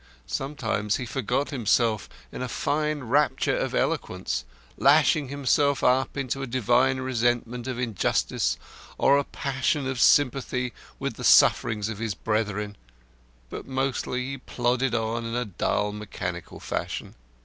Sometimes he forgot himself in a fine rapture of eloquence lashing himself up into a divine resentment of injustice or a passion of sympathy with the sufferings of his brethren but mostly he plodded on in dull, mechanical fashion.